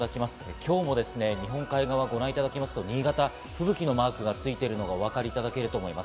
今日も日本海側、ご覧いただきますと、新潟に吹雪のマークがついてるのがお分かりになると思います。